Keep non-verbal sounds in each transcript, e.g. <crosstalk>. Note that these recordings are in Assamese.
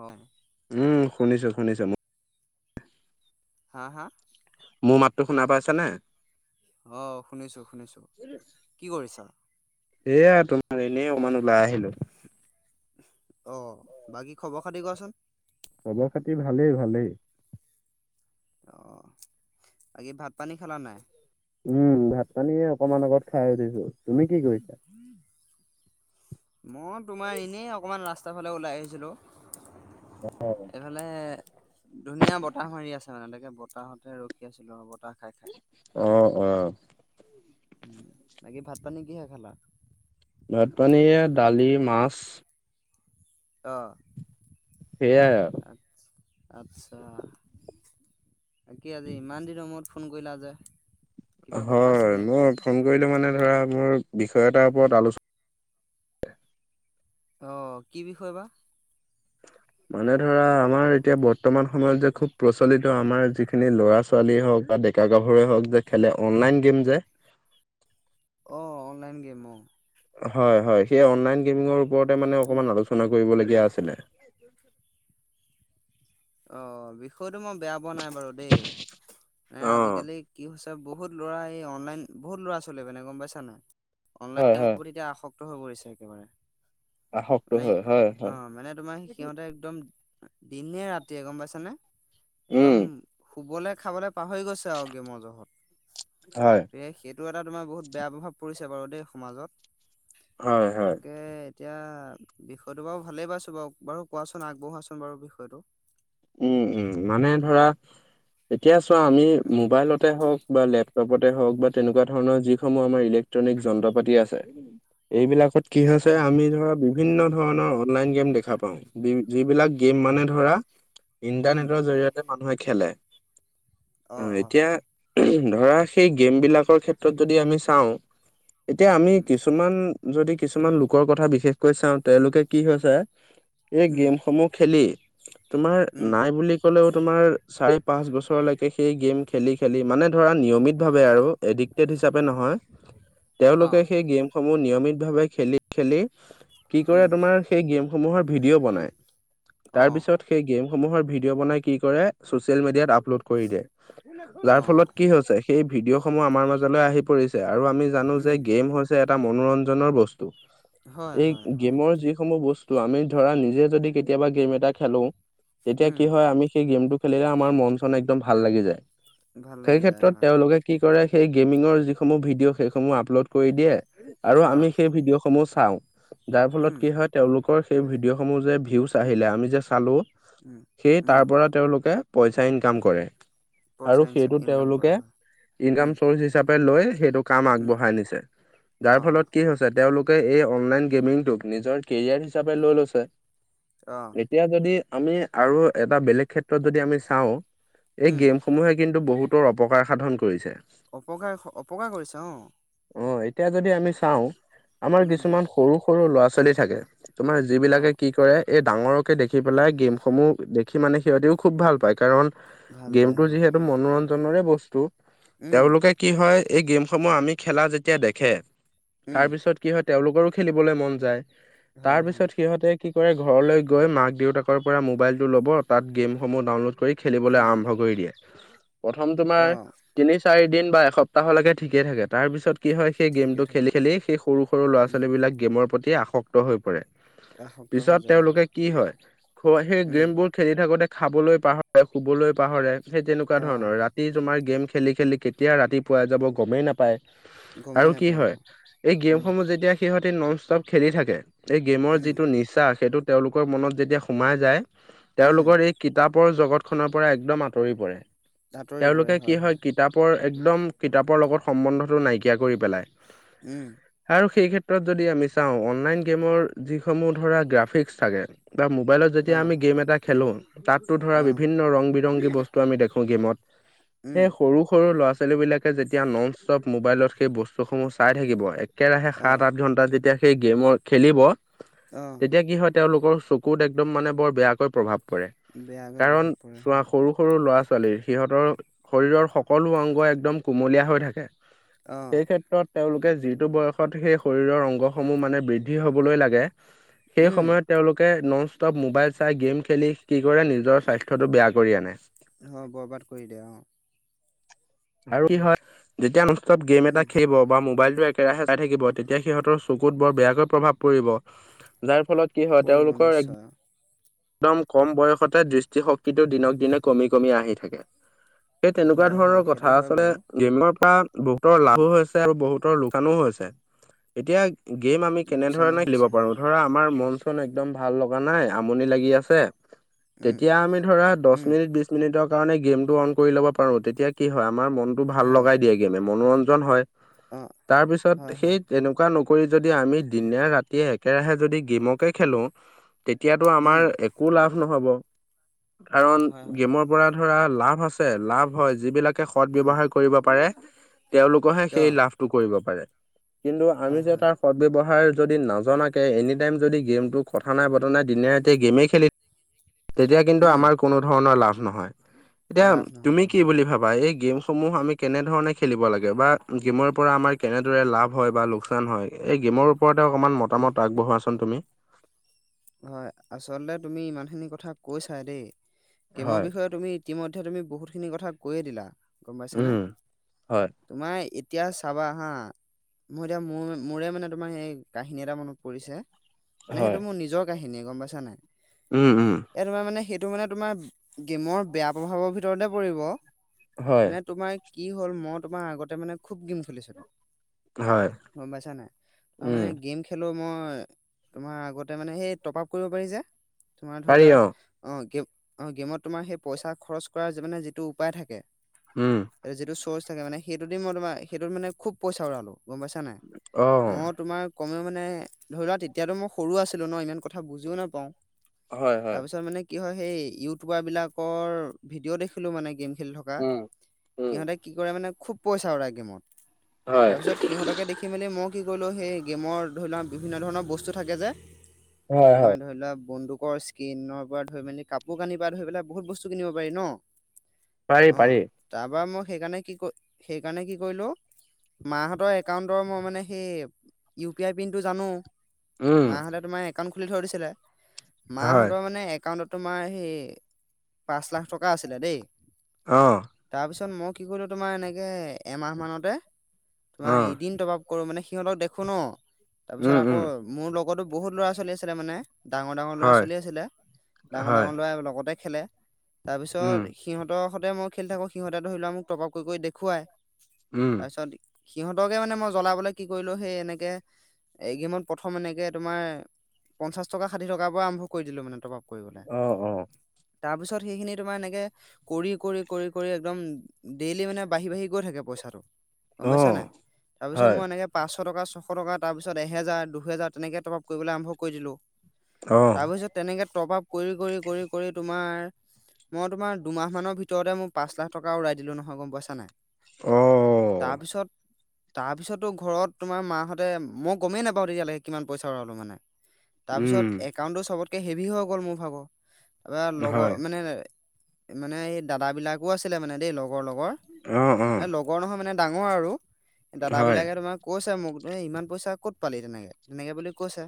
অ। উম, শুনিছো শুনিছো ম- হা হা? মোৰ মাতটো শুনা পাইছা নে? অ শুনিছো শুনিছো। কি কৰিছা? এইয়া তোমাৰ এনেই অকনমান ওলাই আহিলো। অ বাকী খবৰ খাতি ক চোন। খবৰ খাতি ভালেই ভালেই। অঁ, বাকী ভাত পানী খালা নাই? উম, ভাত পানী অকমান আগত খাই সুধিছো, তুমি কি কৰিছা? মই তোমাৰ এনেই অকণমান ৰাস্তাৰ ফালে ওলাই আহিছিলোঁ। এইফালে - ধুনীয়া বতাহ মাৰি আছে মানে তাকে বতাহতে ৰখি আছিলো আৰু বতাহ খাই খাই। অ অ। উম, বাকি ভাত পানী কিহে খালা? ভাত পানী এইয়া দালি মাছ। অঁ। সেয়াই আও। আচ আচ্ছা, বাকী আজি ইমান দিনৰ মূৰত - ফোন কৰিলা যে? কিবা কথা আছিল হয় নেকি মই ফোন কৰিলো মানে ধৰা মোৰ বিষয় এটাৰ ওপৰত আলোচনা - অঁ কি বিষয় বা? মানে ধৰা আমাৰ এতিয়া বৰ্তমান সময়ত যে খুব প্ৰচলিত আমাৰ যিখিনি ল'ৰা ছোৱালী হওক বা ডেকা - ডেকা-গাভৰুৱে হওক যে খেলে অনলাইন গেম যে - অ অনলাইন গেম অ - হয় হয়, সেই অনলাইন গেমিঙৰ ওপৰতে মানে উম অকমান আলোচনা কৰিবলগীয়া আছিলে। অ বিষয়টো মই বেয়া পোৱা নাই বাৰু দেই, এ অ আজিকালি - কি হৈছে বহুত ল'ৰা এই অনলাইন বহুত ল'ৰা ছোৱালী মানে গম পাইছা নাই? অনলাইনৰ হয় গেমৰ হয় প্ৰতি এতিয়া আসক্ত হৈ পৰিছে একেবাৰে। আসক্ত মানে হয় হয় অ হয় মানে তোমাৰ সি- সিহঁতে একদম দিনে ৰাতিয়ে গম পাইছা নে, একদম উম - শুবলে খাবলে পাহৰি গৈছে আও গেমৰ জহত। হয় সেয়াই সেইটো এটা তোমাৰ বহুত বেয়া প্ৰভাৱ পৰিছে বাৰু দেই সমাজত হয় হয় তাকে এতিয়া বিষয়টো বাও ভালেই পাইছো বাৰু বাৰু কোৱাচোন আগবঢ়োৱাচোন বাৰু বিষয়টো উম উম মানে ধৰা এতিয়া চোৱা আমি উম মোবাইলতে হওক বা লেপ টপতে হওক বা তেনেকুৱা ধৰণৰ যিসমূহ আমাৰ ইলেক্ট্ৰনিক যন্ত্ৰ পাতি আছে এইবিলাকত কি হৈছে অ আমি ধৰা বি বিভিন্ন ধৰণৰ অনলাইন গেম দেখা পাওঁ বি যিবিলাক গেম মানে ধৰা উম ইণ্টাৰনেটৰ জৰিয়তে মানুহে খেলে অ আহ অ এতিয়া ধৰা সেই গেমবিলাকৰ ক্ষেত্ৰত যদি আমি চাওঁ এতিয়া আমি উম কিছুমান যদি কিছুমান লোকৰ কথা বিশেষকৈ চাওঁ তেওঁলোকে কি হৈছে এই উম গেমসমূহ খেলি তোমাৰ উম নাই বুলি হলেও তোমাৰ চাৰি পাঁচ বছৰলৈকে সেই গেম খেলি খেলি মানে ধাৰা নিয়মীয় ভাৱে আৰু এডিক্টেত হিচাপে নহয় অ তেওঁলোকে সেই গেম সমূহ নিয়মিত ভাৱে খেলি খেলি কি কৰে উম তোমাৰ সেই গেমসমূহৰ ভিডিঅ' বনাই অ তাৰ পিছত সেই গেমসমূহৰ ভিডিঅ' বনাই কি কৰে চ'চিয়েল মিডিয়াত আপলোড কৰি দিয়ে অ যাৰ ফলত কি হৈছে সেই ভিডিঅ' সমূহ আমাৰ মাজলৈ আহি পৰিছে আৰু আমি জানো উম যে গেম হৈছে এটা মনোৰঞ্জন বস্তু হয় এই হয় হয় গেমৰ যি সমূহ বস্তু আমি ধৰা নিজে যদি কেতিয়াবা গেম এটা খেলো তেতিয়া উম কি হয় আমি সেই গেমটো খেলিলে আমাৰ মন চন একদম ভাল লাগি যায় ভাল সেই লাগি যায় ক্ষেত্ৰত হয় তেওঁলোকে কি কৰে সেই গেমিঙৰ যিসমূহ ভিডিঅ' সেইসমূহ আপলোড কৰি দিয়ে আৰু অ আমি সেই ভিডিঅ' সমূহ চাওঁ যাৰ ফলত উম কি হয় তেওঁলোকৰ সেই ভিডিঅ' সমূহ যে ভিউচ আহিলে আমি যে চালো উম সেয়ে উম তাৰ পৰা তেওঁলোকে পইচা ইনকাম কৰে পইচা আৰু ইন সেইটোত ইনকাম কৰে তেওঁলোকে হয় ইনকাম উম চৰ্চ হি হিচাপে লৈ সেইটো কাম উম আগবঢ়াই নিছে অ যাৰ অ ফলত কি হৈছে তেওঁলোক কে এই অনলাইন গেমিংটোক নিজৰ কেৰিয়াৰ হিচাপে লৈ লৈছে অ এতিয়া যদি আমি আৰু এটা বেলেগ ক্ষেত্ৰত যদি আমি চাওঁ এই উম গেম সমূহে কিন্তু বহুতৰ অপকাৰ সাধন কৰিছে অপকাৰ অপকাৰ কৰিছে অ অ এতিয়া যদি আমি চাওঁ আমাৰ উম কিছুমান সৰু সৰু ল'ৰা ছোৱালী থাকে তোমাৰ যি অ বিলাকে কি কৰে এই ডাঙৰকে দেখি পেলাই গেম সমূহ দেখি মানে সিহঁতিও খুব ভাল পায় কাৰণ ভাল পাই গেমটো হয় যিহেতু মনোৰঞ্জৰে বস্তু উম তেওঁলোকে কি হয় এই গেমসমূহ আমি খেলা যেতিয়া দেখে উম তাৰপিছত কি হয় তেওঁলোকৰো খেলিবলৈ মন যায় হয় তাৰ হয় পিছত সিহঁতে কি কৰে ঘৰলৈ গৈ মাক দেউতাকৰ পৰা মোবাইলটো ল'ব তাত গেমসমূহ ডাউনলোড কৰি খেলিবলৈ উম আৰম্ভ কৰি দিয়ে প্ৰথম অ তোমাৰ তিনি চাৰি দিন বা এসপ্তাহলৈকে ঠিকেই থাকে তাৰপিছত কি হয় সেই ঠিকে গেমটো খেলি থাকে অ খেলি সেই সৰু সৰু ল'ৰা উম ছোৱালী বিলাক গেমৰ প্ৰতি আসক্ত হৈ পৰে আসক্ত হৈ পিছত যায় অ তেওঁলোকে কি হয় খ সেই উম গেমবোৰ খেলি থাকোতে খাবলৈ পাহৰে শুবলৈ পাহৰে সেই তেনেকুৱা অ ধৰণৰ ৰাতি তোমাৰ গেম খেলি খেলি কেতিয়া ৰাতি পুৱাই যাব গমেই নাপায় গমেই আৰু কি নাপায় অ হয় এই উম গেমসমূহ যেতিয়া সিহঁতি নন ষ্টপ খেলি থাকে এই গেমৰ উম যিটো নিচা সেইটো তেওঁলোকৰ মনত যেতিয়া সোমাই যায় উম তেওঁলোকৰ এই কিতাপৰ জগত খনৰ পৰা একদম আঁতৰি পৰে তেওঁলোকে কি হয় কিতাপৰ একদম কিতাপৰ লগত সম্বন্ধটো নাইকিয়া কৰি পেলাই। উম আৰু সেই ক্ষেত্ৰত যদি আমি চাওঁ অনলাইন গেমৰ যিসমূহ ধৰা গ্ৰাফিক্স থাকে বা মোবাইলত অ যেতিয়া আমি গেম এটা খেলো, তাতো ধৰা অ বিভিন্ন ৰং বিৰংগী বস্তু আমি দেখো গেমত। উম সেই সৰু সৰু ল'ৰা ছোৱালী বিলাকে যেতিয়া নন ষ্টপ মোবাইলত সেই বস্তুসমূহ চাই থাকিব এক- কেৰাহে অ সাত, আঠ ঘন্টা যেতিয়া সেই গেমৰ খেলিব অ তেতিয়া কি হয় তেওঁলোকৰ কুত একদম মানে বৰ বেয়াকৈ প্ৰভাৱ পৰে বেয়াকৈ কাৰণ প্ৰভাৱ পৰে চোৱা হয় সৰু সৰু ল'ৰা-ছোৱালীৰ সিহঁতৰ শৰীৰৰ সকলো অংগ একদম কুমলীয়া হৈ থাকে, অ', সেই ক্ষেত্- ত্ৰত তেওঁলোকে যিটো বয়সত সেই শৰীৰৰ অংগসমূহ মানে বৃদ্ধি হ'বলৈ লাগে, সেই উম, সময়ত তেওঁলোকে নন ষ্টপ মোবাইল চাই গেম খেলি কি কৰে নিজৰ স্বাস্থ্যটো বেয়া কৰি আনে অ' বৰবাদ কৰি দিয়ে অ। আৰু কি উম, হয় যেতিয়া নন ষ্টপ গেম এটা উম, খেলিব বা মোবাইলটো একেৰাহে চাই থাকিব তেতিয়া সিহঁতৰ চকুত বৰ বেয়াকৈ প্ৰভাৱ পৰিব। যাৰ ফলত কি হয় পৰিব তেওঁলোকৰ এক নিশ্চয় একদম কম বয়সতে দৃষ্টিশক্তিটো দিনক দিনে কমি কমি আহি থাকে। সেই তেনেকুৱা হয়, ধৰণৰ হয় কথা সেইটো হয় আচলতে বাৰু গেমৰ পৰা বহুতৰ উম, লাভো হৈ- ছে আৰু বহুতৰ লোকচানো হৈছে এতিয়া গেম আমি লোকচানো কেনেধৰণে খেলিব হৈছে পাৰো হয়, ধৰা আমাৰ মন চন একদম ভাল লগা নাই আমনি লাগি গি আছে উম, তেতিয়া আমি ধৰা দহ উম, মিনিট বিছ মিনিটৰ কাৰণে গেমটো অন কৰি ল'ব পাৰোঁ তেতিয়া কি হয় আমাৰ মনটো ভাল হয়, লগাই দিয়ে গেমে মনোৰঞ্জন হয় অ', হয়, তাৰপিছত সেই হয়, তেনেকুৱা নকৰি যদি আমি দিনে ৰাতিয়ে একেৰাহে যদি গেমকে খেলো, তেতিয়াতো আমাৰ উম, একো লাভ নহ'ব কাৰণ হয়, হয়, গেমৰ পৰা ধৰা লাভ আছে, লাভ হয় যিবিলাক- কে উম, সৎব্যৱহাৰ কৰিব পাৰে তেওঁলোকৰহে সেই অ', লাভটো কৰিব পাৰে। কিন্তু আমি হয়, যে হয়, তাৰ সৎ ব্যৱহাৰ যদি নজনাকে এনি টাইম যদি গেমটো কথা নাই বতৰা নাই দিনে ৰতিয়ে গেমেই খেলি তেতিয়া কিন্তু উম, আমাৰ কোনো ধৰণৰ লাভ নহয়। এতিয়া লাভ নহয়, তুমি লাভ কি নহয়, বুলি ভা- বা এই গেম সমূহ আমি কেনে ধৰণে খেলিব লাগে বা গেমৰ পৰা আমাৰ কেনেদৰে লাভ হয় বা লোকচান হয় এই গেমৰ ওপৰতে অকণমান উম, মতামত আগবঢ়োৱাচোন তুমি। হয় আচলতে তুমি ইমান খিনি কথা কৈছাই দেই গেমৰ হয়, বিষয়ে তুমি ইতিমধ্যে তুমি বহুতখিনি কথা কৈয়ে দিলা গম পাইছানে। উম, হয়, তোমাৰ এতিয়া চাবা হা মোৰ এতিয়া মোৰ মোৰে মানে তোমাৰ হেই কাহিনী এটা মনত পৰিছে। মানে হয়, সেইটো মোৰ নিজৰ কাহিনীয়ে গম পাইছা নাই। উম উম এ তোমাৰ মানে সেইটো মানে তোমাৰ গেমৰ বেয়া প্ৰভাৱৰ ভিতৰতে পৰিব। হয়, মানে তোমাৰ কি হ'ল মই তোমাৰ আগতে মানে খুব গেম খেলিছিলোঁ হয়, গম পাইছা নাই অ উম, মানে গেম খেলো মই তোমাৰ আগতে মানে সেই টপ আপ কৰিব পাৰি যে তোমাৰ ধৰি পাৰি লোৱা অ', অ' গেম অ' গেমত তোমাৰ সেই পইচা খৰচ কৰাৰ মানে যিটো উপায় থাকে উম এ যিটো চৰ্চ থাকে মে সেইটো দি মই তোাৰ সেইটোত মান খুব পইচা উৰালো গম পাই অ', মই তোমাৰ কমে মানে ধৰি লোৱা তেতিয়ো মই সৰু আছিলো ন ইমান কথা বুজিও নাপাও হয়, তাৰ হয়, পিছত মানে কি হয় সেই ইউটিউবাৰ বিলাকৰ ভিডিঅ' দেখিলোঁ মানে গেম খেলি থকা উম, উম, সিহতে কি কৰে মানে খুব পইচা উৰা গেমত হয়। তাৰপিছত সিহঁতকে দেখি সেই মেলি মই কি কৰিলোঁ সেই গেমৰ ধৰি লোৱা বিভিন্ন ধৰণৰ বস্তু থাকে যে হয়, হয়। তোমাৰ ধৰি লোৱা বন্দুকৰ কিন পৰা ধৰি মেলি কাপোৰ কানিৰ পৰা ধৰি পেলাই বহুত বস্তু কিনিব পাৰি ন পাৰি অ পাৰি। তাৰপৰা মই সেইকাৰণে কি কৰি সেইকাৰণে কি কৰিলো মাহঁতৰ একাউণ্টৰ মই মানে সেই ইউ পি আই পিনটো জানো উম মাহঁতে তোমাৰ একাউণ্ট খুলি থৈ দিছিলে হয় মাহঁতৰ মানে একাউণ্টত তোমাৰ সেই পাঁচ লাখ টকা আছিলে দেই অ' তাৰপিছত মই কি কৰিলো তোমাৰ এনেকে এমাহ মানতে তোমাৰ অ এদিন তপ কৰো মানে সিহঁতক দেখো ন তাৰ পিছত উম আকৌ উম মোৰ লগতো বহুত ল'ৰা ছোৱালী আছিলে মানে ডাঙৰ ডাঙৰ ল'ৰা হয় চলি আছিলে ডাঙৰ হয় ডাঙৰ ল'ৰাই লগতে খেলে উম তাৰপিছত সিহঁতৰ সৈতে মই খেলি থাকোঁ সিহঁতে ধৰি লোৱা মোক টপ আপ কৰি দেখুৱায় উম তাৰপিছত সিহঁতকে মানে মই জ্বলাবলে কি কৰিলো সেই এনেকে এই প্ৰথম এনেকে তোমাৰ পঞ্চাশ টকা ষাঠি টকাৰ পৰা আৰম্ভ কৰি দিলো মানে টপাপ কৰিবলৈ অ অ তাৰপিছত সেইখিনি তোমাৰ এনেকে কৰি কৰি কৰি কৰি একদম ডেইলি মানে বাঢ়ি বাঢ়ি গৈ থাকে পইচাটো গম অ পাইছা নে তাৰপিছত হয় মই এনেকে পাঁচশ টকা ছশ টকা তাৰ পিছত এহেজাৰ দুহেজাৰ তেনেকে টপ আপ কৰিবলৈ আৰম্ভ কৰি দিলোঁ অ তাৰপিছত তেনেকে টপ আপ কৰি কৰি কৰি কৰি তোমাৰ মই তোমাৰ দুমাহ মানৰ ভিতৰতে মোৰ পাঁচ লাখ টকা ওৰাই দিলোঁ নহয় গম পইছা নাই অ তাৰপিছত তাৰপিছতো ঘৰত তোমাৰ মাহঁতে মই গমেই নাপাওঁ তেতিয়ালৈকে কিমান পইচা উৰালো মানে তাৰপিছত উম একাউণ্টটো চবতকে হেভি হৈ গ'ল মোৰ ভাগৰ তাৰপা লগৰ হয় মানে মানে এই দাদা বিলাকো আছিলে মানে দেই লগৰ লগৰ এ অ অ লগৰ লগৰ নহয় মানে ডাঙৰ আৰু হয় দাদাবিলাকে তোমাক কৈছে মোক এই ইমান পইচা ক'ত পালি তেনেকে তেনেকে বুলি কৈছে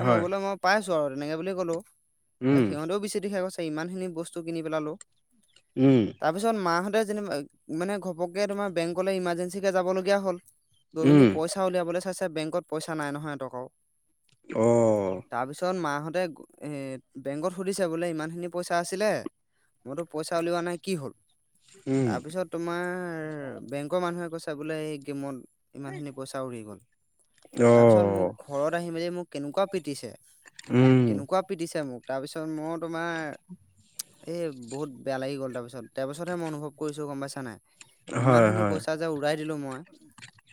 এ মই হয় বোলে মই পাই আছো আৰু তেনেকে বুলি কলো এ উম সিহতেও বেছি দিখা গৈছে ইমান খিনি বস্তু কিনি পেলা লো উম তাৰপিছত মাহঁতে যেন মানে ঘপককে তোমাৰ বেংকলৈ ইমাৰ্জেঞ্চিকে যাবলগীয়া হ'ল গৈমিনী উম পইচা উলিয়াবলৈ চাইছে বেংকত পইচা নাই নহয় এতকাও অ তাৰপিছত মাহঁতে বেংকত সুধিছে বোলে ইমানখিনি পইচা আছিলে মইতো পইচা উলিওৱা নাই কি হ'ল উম তাৰপিছত তোমাৰ বেংকৰ মানুহে কৈছে বোলে এই গেমত ইমানখিনি পইচা উৰি গ'ল অ তাৰপিছত মোক ঘৰত আহি মেলি মোক কেনেকুৱা পিটিছে উম কেনেকুৱা পিটিছে মোক তাৰপিছত মই তোমাৰ এ বহুত বেয়া লাগি গ'ল তাৰপিছত তাৰ পিছতহে মই অনুভৱ কৰিছো গম পাইছা নাই ইমান হয় খিনি হয় পইচা যে উৰাই দিলো মই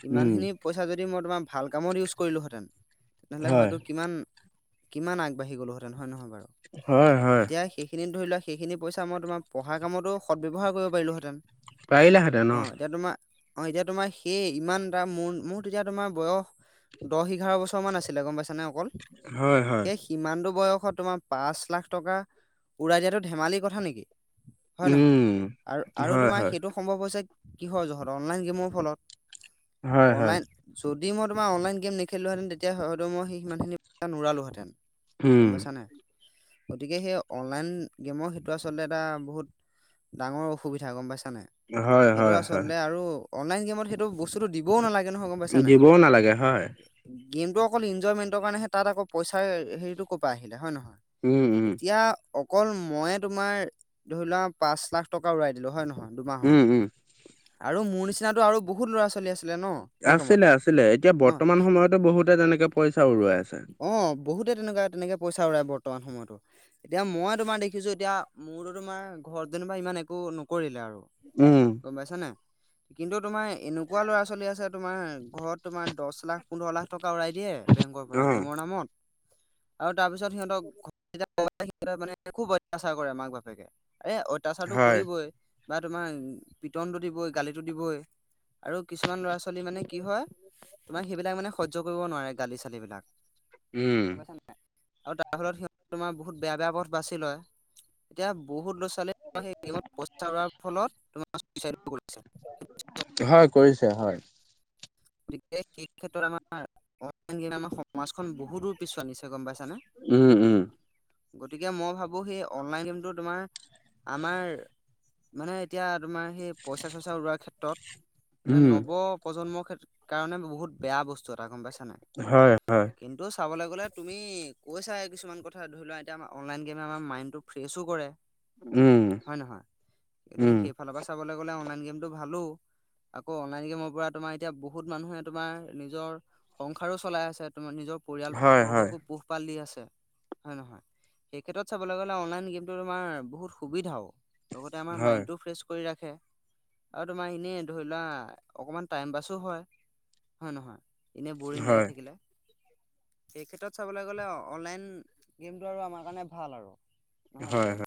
ইমান উম খিনি পইচা যদি মই তোমাৰ ভাল কামত ইউজ কৰিলো হেঁতেন, তেনেহলে হয় কিমান কিমান আগবাঢ়ি গ'লো হেঁতেন, হয় নহয় বাৰু? হয় হয় এতিয়া সেই এইখিনি ধৰি লোৱা সেইখিনি পইচা মই তোমাৰ পঢ়াৰ কামতো সদব্যৱহাৰ কৰিব পাৰিলো হেতেন। পাৰিলাহেঁতেন অঁ অ এতিয়া তোমাৰ অ এতিয়া তোমাৰ সেই ইমান তাৰ মোৰ মোৰ তেতিয়া তোমাৰ বয়স দহ এঘাৰ বছৰ মান আছিলে গম পাইছে <unintelligible> অকল হয় হয়। ইমানটো বয়সত তোমাৰ পাঁচ লাখ টকা উৰাই দিয়াটো ধেমালিৰ কথা নেকি। হয় নহয়? উম আৰু আৰু হয় তোমাৰ হয় সেইটো সম্ভৱ হৈছে কিহৰ জহত? অনলাইন গেমৰ ফলত হয় হয় অনলাইন যদি মই তোমাৰ অনলাইন গেম নেখেলিলো হেঁতেন, তেতিয়া হয়তো মই সেই সিমানখিনি পইছা নোৰালো হেঁতেন। গম উম পাইছা নাই? গতিকে সেই অনলাইন গেমৰ সেইটো আচলতে এটা বহুত ডাঙৰ অসুবিধা গম পাইছা নাই? হয় সেইটো হয় হয় আচলতে আৰু অনলাইন গেমত সেইটো বস্তুটো দিবও নালাগে নহয়, গম পাইছা নাই? দিবও নালাগে হয়, গেমটো অকল ইনজয়মেণ্ট কাৰণেহে তাত আকৌ পইচাৰ হেৰিটো ক'ৰ পৰা আহিলে, হয় নহয়? উম, উম, এতিয়া অকল ময়ে তোমাৰ ধৰি লোৱা পাঁচ লাখ টকা উৰাই দিলো, হয় নহয়? দুমাহত। উম, উম। আৰু মোৰ নিচিনাতো আৰু বহুত ল'ৰা ছোৱালী আছে। আছিলে আছিলে এতিয়া বৰ্তমান সময়তো বহুতে তেনেকে পইচা উৰুৱাই আছে। অঁ বহুতে তেনেকুৱা তেনেকে পইচা উৰায় বৰ্তমান সময়তো। এতিয়া মই তোমাৰ দেখিছো এতিয়া মোৰতো তোমাৰ ঘৰত যেনিবা ইমান একো নকৰিলে আৰু। উম। গম পাইছা নাই? কিন্তু তোমাৰ এনেকুৱা ল'ৰা ছোৱালী আছে তোমাৰ ঘৰত তোমাৰ দছ লাখ, পোন্ধৰ লাখ টকা উৰাই দিয়ে বেংকৰ পৰা অ', গেমৰ নামত। আৰু তাৰ পিছত সিহঁতক ঘ <unintelligible> সহঁতে মানে খুব অত্যাচাৰ কৰে মাক বাপেকে, এ অ অত্যাচাৰটো হয়, কৰিবই বা তোমাৰ পিটনটো দিবই গালিটো দিবই। আৰু কিছুমান ল'ৰা ছোৱালী মানে কি হয়, তোমাৰ সেইবিলাক মানে সহ্য কৰিব নোৱাৰে গালি চালিবিলাক। উম, গম পইছা নে নাই? আৰু তাৰ ফলত সিহঁতে তোমাৰ বহুত বেয়া বেয়া পথ বাছি লয়, এতিয়া বহুত ল'ৰা ছোৱালীয়ে তোমাৰ সেই গেমত পইচা উৰুৱাৰ ফলত তোমাৰ ছুইচাইডো কৰিছে। হয় কৰিছে হয়। গতিকে সেই ক্ষেত্ৰত আমাৰ আনকি আমাৰ সমাজখন বহু দূৰ পিছুৱাই নিছে, গম পাইছানে? উম উম। গতিকে মই ভাবোঁ সেই অনলাইন গেমটো তোমাৰ আমাৰ মানে এতিয়া তোমাৰ সেই পইচা চৈছা উৰোৱাৰ ক্ষেত্ৰত উম, নৱ প্ৰজন্মৰ খে কাৰণে বহুত বেয়া বস্তু এটা, গম পাইছা নাই? হয় হয়। কিন্তু চাবলে গ'লে তুমি কৈছা কিছুমান কথা ধৰি লোৱা এতিয়া আমাৰ অনলাইন গেমে আমাৰ মাইণ্ডটো ফ্ৰেছো কৰে। উম। হয় নহয়? উম, গতিকে সেইফালৰ পৰা চাবলে গ'লে অনলাইন গেমটো ভালো। আকৌ অনলাইন গেমৰ পৰা তোমাৰ এতিয়া বহুত মানুহে তোমাৰ নিজৰ সংসাৰো চলাই আছে তোমাৰ নিজৰ পৰিয়াল হয়, হয়, বৰ্গকো পোহপাল দি আছে, হয় নহয়? সেই ক্ষেত্ৰত চাবলে গ'লে অনলাইন গেমটো তোমাৰ বহুত সুবিধাও। লগতে আমাৰ হয়, মাইণ্ডটো ফ্ৰেছ কৰি ৰাখে আৰু তোমাৰ এনেই ধৰি লোৱা অকমান টাইম পাছো হয় হয়ে নহয় এনে বৰিং লাগি হয়, থাকিলে এই ক্ষেত্ৰত চাবলৈ গ'লে অনলাইন গেমটো আৰু আমাৰ কাৰণে ভাল আৰু নহয় হয়, জানো হয়।